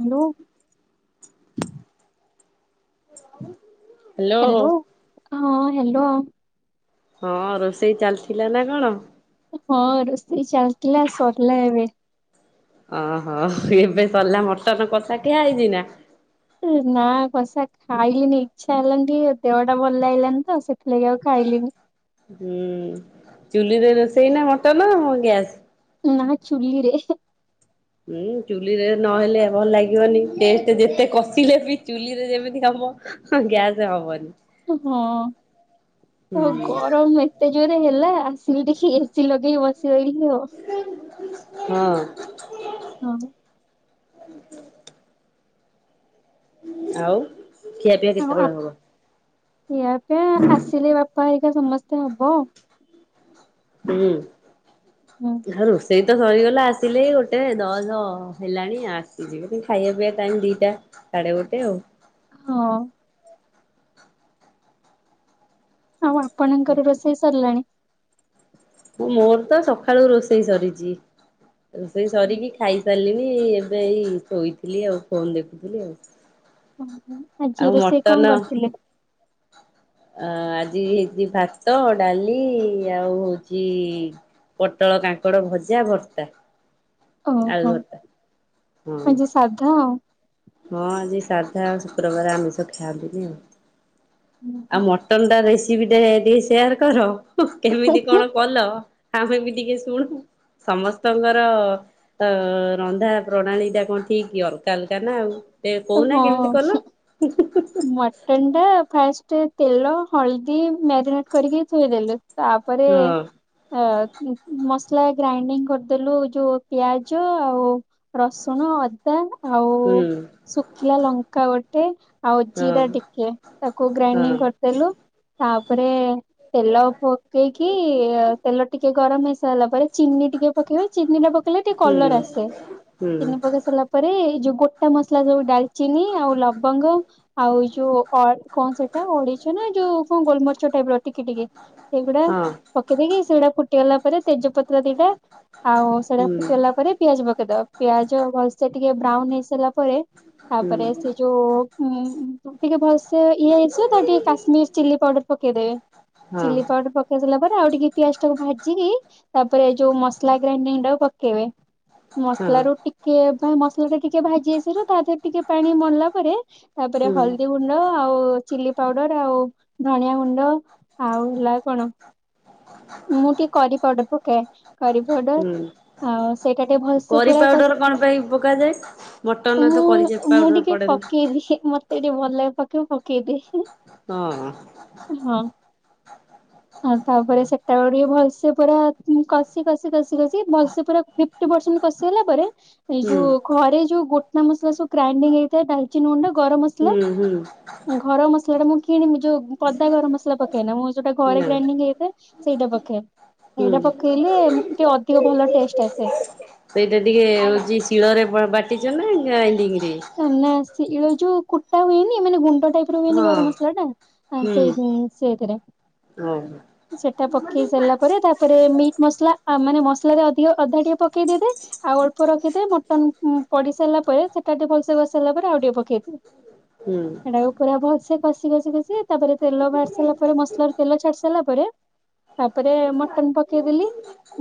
Hello. Hello hello. ହଁ hello. ହଁ ରୋଷେଇ ଚାଲିଥିଲା ନା କଣ। ହଁ ରୋଷେଇ ଚାଲିଥିଲା ସରିଲା ଏବେ। ଓହୋ ଏବେ ସଲା ମଟନ କଥାା କିିଆ ହେଇଛି ନା। ନା କଷା ଖାଇଲିନି ଇଚ୍ଛା ହେଲଣି ଦେହଟା ଭଲ ହେଇଲାନି ତ ଆଉ ସେଥିଲାଗି ଆଉ ଖାଇଲିନି। ହୁଁ ଚୁଲିରେ ରୋଷେଇ ନା ମଟନ ଗ୍ୟାସ। ନା ଚୁଲିରେ ହୁଁ ଚୁଲିରେ ନହେଲେ ଭଲ ଲାଗିବନି ଟେଷ୍ଟ ଯେତେ କଷିଲେ ବି ଚୁଲିରେ ଯେମିତି କାମ ହଁ ଗ୍ୟାସ ହବନି। ହଁ ଆଉ ହୁଁ ଗରମ ଏତେ ଜୋରେ ହେଲା ଆସିଲି ଟିକି ଲଗେଇ ବସିି ହ ହଁ ହଁ। ହୁଁ ହୁଁ। ଆଉ ଖିଆ ପିଇଆ କେତେବେଳେ ହବ? ଇଆପ ଆସିଲେ ବାପା ହେଇିକା ସମସ୍ତେ ହବ। ହୁଁ ହୁଁ ହଲ। ସେଇ ତ ସରିଗଲା ଆସିଲେ ଗୋଟେ ଦଶ ଦ ହେଲାଣି ଆସିଯିବ ଖାଇବା ପିଇବା ଟାଇ ଦିଟା ସାଢେ ଗୋଟେ ଆଉ। ହଁ। ଆଉ ଆପଣଙ୍କର ରୋଷେଇ ସରିଲାଣି। ମୋର ତ ସକାଳୁ ରୋଷେଇ ସରିଛି ରୋଷେଇ ହୁଁ। ସରିକି ଖାଇଛି। ସାରିଲଣି ଏବେଇ ଶୋଇଥିଲି ଆଉ ଫୋନ ଦେଖୁଥିଲି ଆଉ। ଓୋ ଆଜି ଆଉ ରୋଷେଇ ମଟନ କଣ କରିଥିଲେ? ଅ ଆଜି ହେଇଛି ଭାତ ଡାଲି ଆଉ ହଉଛି ପୋଟଳ କାଙ୍କଡ ଭଜା ଭର୍ତ୍ତା ଓହୋ ଆଉୁ ଭର୍ତ୍ତା। ହଁ ଆଜି ସାଧା। ହଁ ଆଜି ସାଧା ଆଉ ଶୁକ୍ରବାର ଆମିଷ ଖାଆନ୍ତିନି ଆଉ ଆଉ ମ ଟନ ଟା ରେସିପି ଟା ଟିକେ ସେୟାର କର କେମିତି କଣ କଲ? ଆମେ ବି ଟିକେ ଶୁଣୁ। ସମସ୍ତଙ୍କର ଅ ରନ୍ଧା ପ୍ରଣାଳୀ ଟା କଣ ଠିକ୍ କି ଅଲଗା ଅଲଗା ନା। ଟେ କହୁନା କେମିତି କଲ? ମଟନ୍ ଟା ଫାଷ୍ଟ ତେଲ ହଳଦୀ। ମ୍ୟାରିନେଟ କରିକି ଥୋଇଦେଲେ ତାପରେ। ଅ ଉଁ ଉଁ ମସଲା ଗ୍ରାଇଣ୍ଡିଙ୍ଗ କରିଦେଲୁ ଯୋଉ ପିଆଜ ଆଉ। ରସୁଣ ଅଦା ଆଉ ଶୁଖିଲା ଲଙ୍କା ଗୋଟେ। ଆଉ ଜିରା ଟିକେ ତାକୁ ଗ୍ରାଇଣ୍ଡିଙ୍ଗ କରିଦେଲେ ତାପରେ। ତେଲ ପକେଇକି ତେଲ ଟିକେ ଗରମ ହେଇସାରିଲା ପରେ ଚିନି ଟିକେ ପକେଇବେ ଚିନି ଟା ପେକେ ଇଲେ ଟିକେ କଲର ଆସେ ଚିନି ପକେଇ ସାରିଲା। ତା ପରେ ଏଇ ଯୋଉ ଗୋଟା ମସଲା ଯୋଉ ଡାଲଚିନି ଆଉ ଲବଙ୍ଗ। ଆଉଇ ଯୋଉ ଅଳ କଣ ସେଇଟା ଅଳେଇଚ ନା ଯୋଉ କଣ ଗୋଲମରିଚ ଟାଇପ ର ଟିକି ଟିକି। ସେଗୁଡା ପକେଇ ଦେଇକି ସେଇଗୁଡା ଫୁଟିଗଲା ପରେ ତେଜପତ୍ର ଦିଟା। ଆଉ ସେଗୁଡା ଫୁଟିଗଲା ପରେ ପିଆଜ ପକେଇଦବା ପିଆଜ ଭଲସେ ଟିକେ ବ୍ରାଉନ ହେଇସାରିଲା ପରେ। ତାପରେ ସେ ଯୋଉ। ଉଁ ଟିକେ ଭଲସେ ଇଏ ହେଇଆସିବ ତାପରେ ଟିକେ କାଶ୍ମୀର ଚିଲି ପାଉଡର ପକେଇଦବେ। ତାକୁ ଟିକେ ପକେଇ ସାରିଲା ପରେ ଆଉ ଟିକେ ପିଆଜ ଟାକୁ ଭାଜିିକି ତାପରେ ଯୋଉ ମସଲା ଗ୍ରାଇଡିଂ ଟାକୁ। ପକେଇବେ ମସଲା ରୁ ଟି କେ ପୁଣି ମସଲା ଟା ଟିକେ ଭାଜିହେଇ ସାରିବା ତା ଦେହେରେ ଟିକେ ପାଣି ମଲା ପରେ ତାପରେ ହଳଦୀ ଗୁ ଗୁଣ୍ଡ ଆଉ ଚିଲି ପାଉଡର ଆଉ ଧଣିଆ ଗୁଣ୍ଡ ଆଉ ହେଲା କଣ। ମୁଁ ଟିକେ କରି ପାଉଡର ପକାଏ କରି ପାଉଡର। ଆଉ ସେଇଟା ଟିକେ ଭଲସେ କରି ପୁରା ପାଉଡର କଷି କଣ ପାଇଁ ପକାଯାଏ? ମଟନରେ ତ ମୁଁ କରି ମୁଁ ପାଉଡର ଟିକେ ପ ପଡେନି। ପକେଇ ଦିଏ ମତେ ଟିକେ ଭଲ ଲାଗ ପକେଇବାକୁ ପକେଇଦିଏ। ହଁ। ହଁ ଆଉ ତାପରେ ସେଟା କୁ ଟିକେ ଭଲସେ ପୁରା। ଉଁ କଷି କସିି କସିି କସିି ଭଲସେ ପୁରା ଫିପ୍ଟି ପରସେଣ୍ଟ କଷିଗଲା ପରେ ଏଇ ହୁଁ ଯୋଉ। ଘରେ ଯୋଉ ଗୋଟା ମସଲା ସବୁ ଗ୍ରାଇଣ୍ଡିଙ୍ଗ ହେଇକି ଥାଏ ଡାଲଚିନ ଗୁଣ୍ଡ ଗରମ ମସଲା। ହୁଁ ହୁଁ ଘର ମସଲା ଟା ମୁଁ କିଣିନି ଯୋଉ ପଦା ଗରମ ମସଲା ପକେଏନା ମୁଁ ଯୋଉଟା ନା ଘରେ ଗ୍ରାଇନିଙ୍ଗ ହେଇଥାଏ। ଏଇଟା ପକେଏ ଏଇଟା ହୁଁ ପକେଇଲେ ଟିକେ ଅଧିକ ଭଲ ଟେଷ୍ଟ ଆସେ। ସେଇଟା ଟିକେ ହଉଛି ଶିଳରେ ବାଟିଛ ନା ଗ୍ରାଇଡିଙ୍ଗ ରେ। ନା ସିଳେରେ ଯୋଉ କୁଟା ହୁଏନି ମାନେ ଗୁଣ୍ଡ ଟାଇପ ସେଥିରେ ହୁଏନି ହଁ ଗରମ ମସଲା ଟା ଆଁ ସେଇ ସେଇଥିରେ। ଓ ହଁ। ସେଟା ପକେଇ ସାରିଲା ପରେ ତାପରେ ମିଟ୍ ମସଲା। ଆ ମାନେ ମସଲାରେ ଅଧିକ ଅଧା ଟିକେ ପକେଇ ଦେଇଥାଏ। ଆଉ ଅଳ୍ପ ରଖିଥାଏ ମଟନ ଉଁ ପଡି ସାରିଲା ପରେ ସେ ତାକୁ ଟିକେ ଭଲ ସେ କସି ସାରିଲା ପରେ ଆଉ ଟିକେ ପକେଇ ଦିଏ। ହୁଁ। ତାକୁ ପୁରା ଭଲସେ କଷି କସି କହି ତାପରେ ତେଲ ବାହାରି ସାରିଲା ପରେ ମସଲାରୁ ତେଲ ଛାଡି ସାରିଲା ପରେ। ତାପରେ ମଟନ ପକେଇଦେଲି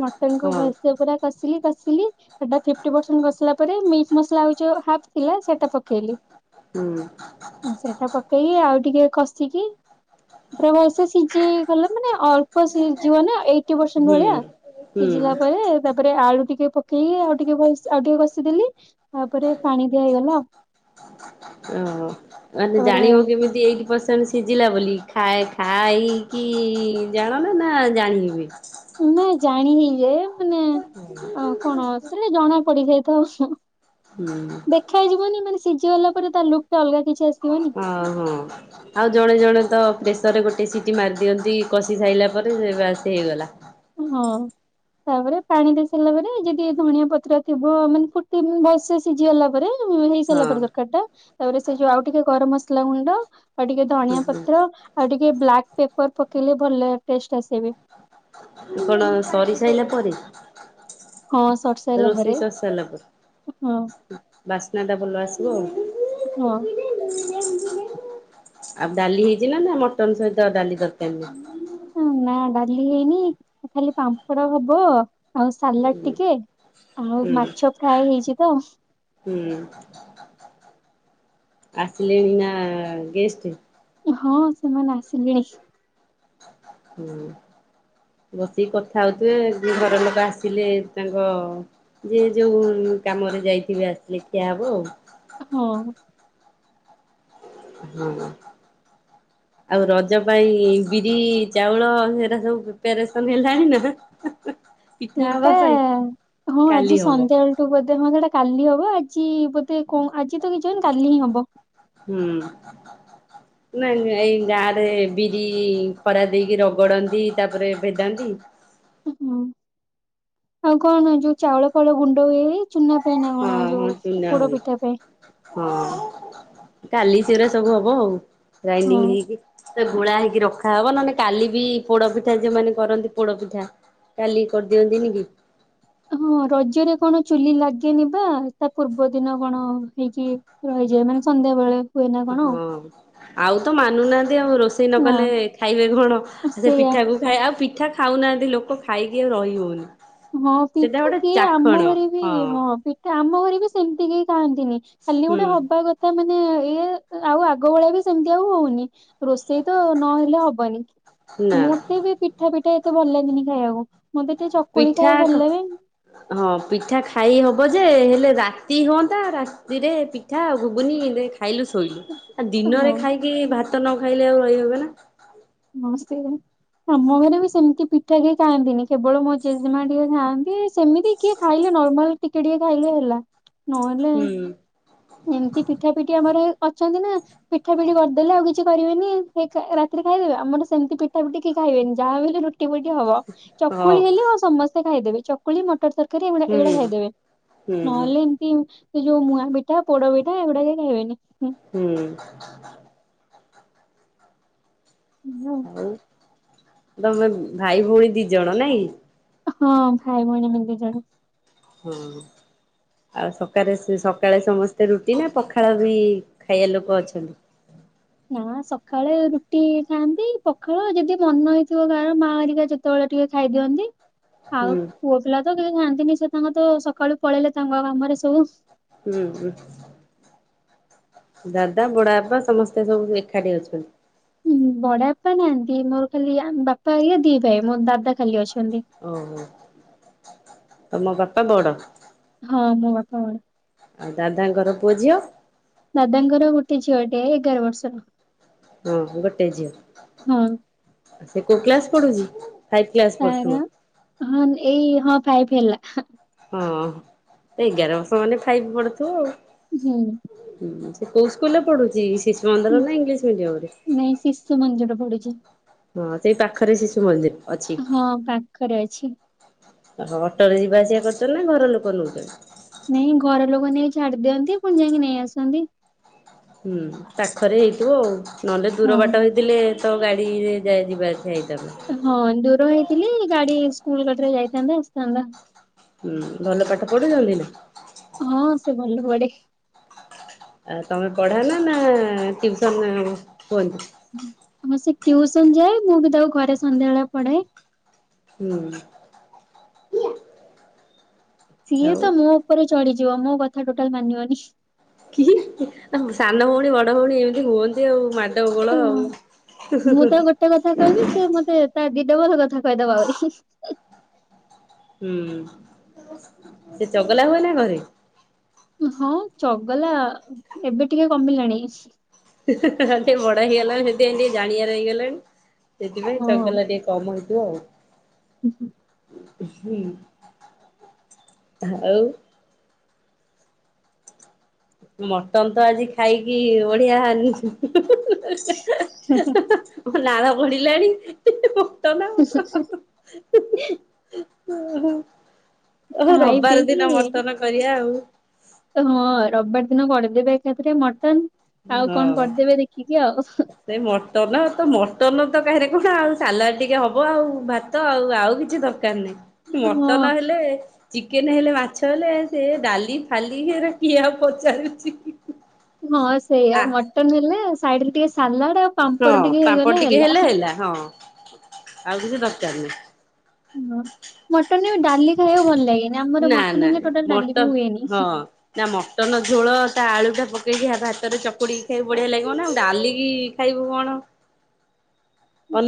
ମଟନ କୁ ହଁ ଭଲସେ ପୁରା। କସିଲି କସିଲି ସେଟା ଫିପ୍ଟି ପରସେଣ୍ଟ କସିଲା ମିଟ ମସଲା ଆଉ ଯୋଉ ହାପ ଥିଲା ସେଟା ପ କେଇଲି ହୁଁ ଆଉ ସେଟା ପକେଇକି ଆଉ ଟିକେ କଷିକି [unintelligible] ସିଝି ଗଲେ ମାନେ ଅଳ୍ପ ସିଝିବ ନା ଏଇଟି ପରସେଣ୍ଟ ବଳିଆ। ହୁଁ ହୁଁ ସିଜିଲା ପରେ, ତାପରେ ଆଳୁ ଟିକେ ପକେଇ ଆଉ ଟିକେ ଭଲସ୍ ଆଉ ଟିକେ କଷିଦେଲି ଆପ ଅ ହ [unintelligible] ମାନେ ତାପରେ ଜାଣିବ କେମି ଟି ଏଇଟି ପରସେଣ୍ଟ ସିଝିଲା ବୋଲି, ଖାଏ ଖାଇକି ଜାଣନା ନା ଜାଣିକି ହୁଏ। ନା ଜାଣି ହେଇଯାଏ, ମାନେ କଣ ସେଟା ଜଣା ପଡିଯାଇଥାଏ ଉସ୍ ହୁଁ ଦେଖାଯିବନି ମାନେ ସିଜିଗଲା ପରେ ତା ଲୁକ୍ ଟା ଅଲଗା କିଛି ଆସ୍ ଆଉ ହଁ, ଆଉ ଜଣେ ଜଣେ ତ ପ୍ରେସରେ ଗୋଟେ ସିଟି ମାରି ଦିଅନ୍ତି କଷି ସାରିଲା ପରେ ସେ ବାସ୍ ହେଇଗଲା। ହଁ ତାପରେ ପାଣି ଦେଇ ସାରିଲା ପରେ ଯେଦି ଧଣିିଆ ପତ୍ର ଥିବ ମାନେ ଫୁଟିନ୍ ଭଲସେ ସିଝିଗଲା ପରେ ଉଁ ହେଇସାରିଲା ହଁ ପରେ ଦରକାରି ଟା, ତାପରେ ସେ ଯୋଉ ଆଉ ଟିକେ ଗରମ ମସଲା ଗୁଣ୍ଡ ଆଉ ଟିକେ ଧଣିଆ ପତ୍ର, ଆଉ ଟିକେ ବ୍ଲାକ୍ ପେପର୍ ପକେଇଲେ ଭଲା ଟେଷ୍ଟ ଆସେ ବି। କଣ ସରି ସାଇଲା ପରେ। ହଁ ସରି ସାରିଲା ପରେ ରୋଷେଇ ସର୍ ସଇଲା ହଁ ପରେ। ବାସ୍ନାଟା ବଲ ଆସିବ ଆଉ। ହଁ ଆଉ ଡାଲି ହେଇଚି ନା, ନା ମଟନ ସହିତ ଡାଲି ଦରକାରି [unintelligible] ଉଁ ନା ଡାଲି ହେଇନି ଖାଲି ପାମ୍ପଡ ହବ ଆଉ ସାଲାଟ୍ ଟିକେ ଆଉ ହୁଁ ମାଛ ଫ୍ରାଏ ହେଇଛି ତ। ହୁଁ ଆସିଲେଣି ନା ଗେଷ୍ଟ୍। ହଁ ସେମାନେ ଆସିଲେଣି। ହୁଁ ବସିକି କଥା ହୋଉଥିବେ ଦି ଘର ଲୋକ ଆସିଲେ ତାଙ୍କ ଯିଏ ଯୋଉ କାମରେ ଯାଇଥିବେ ଆସିଲେ ଖିଆ ହବ ଉ। ହଁ ହୁଁ ଆଉ ରଜ ପାଇଁ ବିରି ଚାଉଳ ସେରା ସବୁ ପ୍ରିପାରେସନବି ହେଲାଣି ନା [unintelligible] ଏଇଟା ପାଇଁ ହଁ କାଲି ଆଜି ହବ ସନ୍ଧ୍ୟାଳେ ତୁ ବୋଦେ ହଁ ସେଟା କାଲି ହବ ଆଜି ବୋଦେ କଣ ଆଜି ତ କିଛି ହବନି କାଲି ହିଁ ହବ। ହୁଁ ନାଇଁ ନା ଏଇ ଗାଁ ରେ ବିରି ଖରା ଦେଇକି ରଗଡନ୍ତି ତାପରେ ଭେଦାନ୍ତି ଉଁ ହୁଁ ଆଉ କଣ ଯୋଉ ଚାଉଳ ଫାଉଳ ଗୁଣ୍ଡ ହୁଏ ଚୁନା ପାଇଁ ନା ହଁ କଣ ହଁ ଯୋଉ ସେ ଚୁନା ପୋଡ ହୁଏ ପିଠା ପାଇଁ। ହଁ କାଲି ସେଉରା ସବୁ ହବ ହଁ ଗ୍ରାଇଣ୍ଡିଙ୍ଗି ହେଇକି। ସେ ଗୋଳା ହେଇକି ରଖାହବ, ନନେ କାଲି ବି ପୋଡୋ ପିଠା ଯୋ ମାନେ କରନ୍ତି ପୋଡୋପିଠା। କାଲି କରିଦିଅନ୍ତିନି କି ହଁ ରଜରେ କଣ ଚୁଲି ଲାଗେନି ବା, ତା ପୂର୍ବ ଦିନ କଣ ହେଇକି ରହିଯାଏ ମାନେ ସନ୍ଧ୍ୟାବେଳେ। ହଁ ଆଉ ତ ମାନୁନାହାନ୍ତି ଆଉ ରୋଷେଇ ନ ନା କଲେ ଖାଇବେ କଣ ସେ ସେଇଆ ପିଠା କୁ ଖାଏ ଆଉ ପି ଠା ଖାଉନାହାନ୍ତି ଲୋକ ଖାଇକି ଆଉ ରହି ହୋଉନି। ହଁ ପିଠା କିଏ ଆମ ଘରେ ବି ହଁ ପିଠ ଆମ ଘରେ ବି ସେମିତି କେହି ଖାଆନ୍ତିନି ଖାଲି ଗୋଟେ ହବା ହୁଁ କ ତା ମାନେ ଇଏ, ଆଉ ଆଗ ବଳିଆ ବି ସେମିତି ଆଉ ହୋଉନି ରୋଷେଇ ତ ନହେଲେ ହବନି ନା ମତେ ବି ପିଠା ପିଠା ଏତେ ଭଲ ଲାଗନି ଖାଇବାକୁ ମତେ ତ ଚକ୍ ପିଠା କ ହଁ ପିଠା ଖାଇ ହବ ଯେ ହେଲେ ରାତି ହୁଅନ୍ତା ରାତିରେ ପିଠା ଘୁଗୁନି ଖାଇଲୁ ଶୋଇଲୁ ଆଉ ହଁ ଦିନରେ ଖାଇକି ଭାତ ନ ଖାଇଲେ ଆଉ ରହିହବନା। ନମସ୍େ [unintelligible] ଆମ ଘରେ ବି ସେମିତି ପିଠା କେହି ଖାଆନ୍ତିନି କେବଳ ମୋ ଜେଜେମା ଟିକେ ଖାଆନ୍ତି ସେମିତି କିଏ ଖାଇଲେ ନର୍ମାଲ୍ ଟିକେ ଟିକେ ଖାଇଲେ ହେଲା ନହେଲେ ହୁଁ। ଏମିତି ପିଠା ପିଠି ଆମର ଅଛନ୍ତିନା ପିଠା ପିଠି କରିଦେଲେ ଆଉ କିଛି କରିବେନି ସେ ରାତିରେ ଖାଇଦବେ ଆମର ସେମିତି ପିଠା ପିଠି ଖାଇବେନି ଯାହା ହେଲେ ରୁଟି ଫୁଟି ହବ ହଁ ଚକୁଳି ହେଲେ ଆଉ ସମସ୍ତେ ଖାଇଦେବେ ଚକୁଳି ମ ତରକାରୀ ଏଗୁଡ଼ାକ ହୁଁ ଖାଇଦେବେ ହୁଁ ହୁଁ ନହେଲେ ଏମିତି ସେ ଯୋଉ ମୁଆ ତୋ ପୋଡ଼ ପିଠା ଏଗୁଡ଼ାକ ଖାଇବେନିଁ। ହୁଁ ଏଇଆ ଆଉ। ହଉ ତମେ ଭାଇ ଭଉଣୀ ଦି ଜଣ ନାଇଁ? ହଁ ଭାଇ ଭଉଣୀ ଆମେ ଦି ଜଣ। ହଁ ଆଉ ସକାରେ ସକାଳେ ସମସ୍ତେ ରୁଟି ନା ପଖାଳ ବି ଖାଇବା ଲୋକ ଅଛନ୍ତି? ହଁ ସକାଳେ ରୁଟି ଖାଆନ୍ତି ପଖାଳ ଯଦି ମନ ହେଇଥିବ କାହାର ମା ହରିକା ଯଦି କେତେବେଳେ ଟିକେ ଖାଇଦିଅନ୍ତି। ଆଉ ହୁଁ ପୁଅ ପିଲା ତ କିଛି ଖାନ୍ତିନି ସେ ତାଙ୍କ ତ ସକାଳୁ ପଳେଇଲେ ତାଙ୍କ କାମରେ ସବୁ। ହୁଁ ହୁଁ ଦାଦା ବଡ଼ବାବା ସମସ୍ତେ ସବୁ ଏକାଠି ଅଛନ୍ତି। ହୁଁ ବଡ଼ବାପା ନାହାନ୍ତି ମୋର ଖାଲି ବାପା ହାରିକା ଦି ଭାଇ ମୋର ଦାଦା ଖାଲି ଅଛନ୍ତି। ଓହୋ ତମ ବାପା ବଡ଼। ହଁ ମୋ ବାପା ବଡ଼। ଆଉ ଦାଦାଙ୍କର ପୁଅ ଝିଅ? ଦାଦାଙ୍କର ଗୋଟେ ଝିଅଟିଏ ଏଗାର ବର୍ଷର। ହଁ ଗୋଟେ ହଁ ଝିଅ ସେ କୋଉ କ୍ଲାସ୍ ପଢ଼ୁଛି? ତାର ହଁ ଏଇ ହଁ ଫାଇଭ ହେଲା। ହଁ ଏଗାର ବର୍ଷ ମାନେ ଫାଇଭ୍ ପଢୁଥିବ। ହୁଁ ହୁଁ ସେ କୋଉ ସ୍କୁଲ ରେ ପଢ଼ୁଛି? ନାଇଁ ଶିଶୁ ମନ୍ଦିର ରେ ପଢ଼ୁଛି। ହଁ ସେଇ ପାଖରେ ଶିଶୁ ମନ୍ଦିର ଅଛି। ହଁ ପାଖରେ ଅଛି। ହଁ ଅଟୋରେ ଯିବାଆସିବା କରୁଛନ୍ତି ନା ଘର ଲୋକ ନେଉଛନ୍ତି? ନାଇଁ ଘର ଲୋକ ନେଇକି ଛାଡି ଦିଅନ୍ତି ପୁଣି ଯାଇକି ନେଇ ଆସନ୍ତି। ହୁଁ ପାଖରେ ହେଇଥିବ ନହେଲେ ଦୂର ହଁ ବାଟ ହେଇଥିବ ହେଲେ ତ ଗାଡ଼ିରେ ଯାଇ ଯିବା ଆସିବା ହେଇଥାନ୍ତା। ହଁ ଦୂର ହେଇଥିଲି ଗାଡ଼ି ସ୍କୁଲ ଗାଡ଼ିରେ ଯାଇଥାନ୍ତା ଆସିଥାନ୍ତା। ହୁଁ ଭଲ ପାଠ ପଢୁଛନ୍ତି ନା? ହଁ ସେ ଭଲ ପଢ଼େ। ଆ ତମେ ପଢ଼ ନା ନା ଟୁସନ କୁହନ୍ତୁ? ଆମର ସେ ଟ୍ୟୁସନ ଯାଏ ମୁଁ ବି ତାକୁ ଘରେ ସନ୍ଧ୍ୟାବେଳେ ପଢ଼େ। ହୁଁ। ସିଏ ଆଉ ତ ମୋ ଉପରେ ଚଢିଯିବ ମୋ କଥା ଟୋଟାଲ ମାନିବନି। କି ସାନ ଭଉଣୀ ବଡ ଭଉଣୀ ଏମିତି ହୁଅନ୍ତି ଆଉ ମା ଡ ବୋଳ ମୁଁ ତ ଆଉ। ଗୋଟେ କଥା କହିବି ସେ ମତେ ତା ଦି ଡବଲ କଥା କହିଦବ ଆହୁରି। ହୁଁ ସେ ଚଗଲା ହୁଏ ନା ଘରେ? ହଁ ଚଗଲା ଏବେ ଟିକେ କମିଲାଣି। ହ ଟିକେ ବଡ ହେଇଗଲାଣି ସେଥିପାଇଁ ଟିକେ ଜାଣବାର ହେଇଗଲାଣି ସେଥିପାଇଁ ହଁ ଚଗଲା ଟିକେ କମ୍ ହେଇଥିବ ଆଉ। ହୁଁ। [unintelligible] ଆଉ ମଟନ ତ ଆଜି ଖାଇକି ବଢିଆ। ମୋ ନାଳ ଗଢିଲାଣି ମଟନ। ଖାଇ ରବିବାର ପିଇକି ଦିନ ମଟନ କରିବା ଆଉ। ହଁ ରବିବାର ଦିନ କରିଦେବେ ଏକାଥିରେ ମଟନ ଆଉ କଣ କରିଦେବେ ଦେଖିକି ଆଉ। ନାଇଁ ମଟନ ତ, ମଟନ ତ କାହିଁରେ କଣ ଆଉ, ସାଲାଡ଼ ଟିକେ ହେବ ଆଉ, ଭା ତ ଆଉ ଆଉ କିଛି ଦରକାର ନାହିଁ। ମଟନ ହଁ ହେଲେ ଚିକେନ ହେଲେ ମାଛ ହେଲେ ସେ ଡାଲି ଫାଲି ଏରା କିଏ ଆଉ ପଚାରୁଛି। ହଁ ସେଇଆ ଆ ମଟନ ହେଲେ ସାଇଡରେ ଟିକେ ସାଲାଡ ଆଉ ହଁ ପାମ୍ପଡ ଟିକେ ପାମ୍ପଡ ହେଇଗଲେ ଟିକେ ହେଲେ ହେଲା ହଁ ଆଉ କିଛି ଦରକାର ନାହିଁ। ହୁଁ ମଟନରେ ବି ଡାଲି ଖାଇବାକୁ ଭଲ ଲାଗେନି ନାହିଁ। ଆମର ନା ମଟନ ନା ହେଲେ ଟୋଟାଲ ଡାଲି ବି ମଟନ ହୁଏନି। ହଁ। ନା ମଟନ ଝୋଳ ତା ଆଳୁ ଟା ପକେଇକି ଭା ଭାତରେ ଚକଡ଼ିକି ଖାଇବୁ ବଢିଆ ଲାଗିବ ନା ଡାଲିକି ଖାଇବୁ କଣ।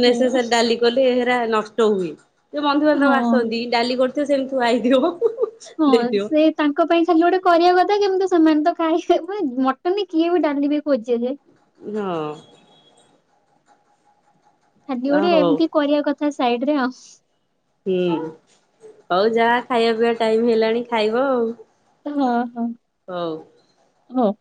ସେ ଡାଲି କଲେ ହେରା ନଷ୍ଟ ହୁଏ। ଯୋଉ ବନ୍ଧୁବାନ୍ଧବ ହଁ ଆସନ୍ତି। ଡାଲି କରିଥିବ ସେମିତି ଥୁଆହେଇଥିବ। ହଁ ସେ ତାଙ୍କ ପାଇଁ ଖାଲି ଗୋଟେ କରିବା କଥା କିନ୍ତୁ ସେମାନେ ତ ଖାଇବେ ମାନେ ମଟନରେ କିଏ ବି ଡାଲିିବ ବି ଖୋଜେଯେ। ହଁ। ଖାଲି ଆ ଗୋଟେ ହଉ ଏମିତି କରିବା କଥା ସାଇଡ ରେ ଆଉ। ହୁଁ ହଉ ଯା ଖାଇବା ପିଇବା ଟାଇମ ହେଲାଣି ଖାଇବ ଆଉ। ହଁ ହଁ ହଉ। ହୋଉ।